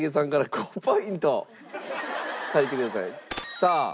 さあ。